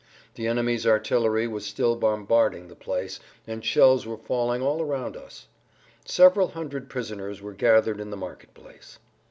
The enemy's artillery was still bombarding the place, and shells were falling all around us. Several hundred prisoners were gathered in the market place.